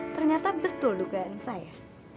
ternyata betul dugaan saya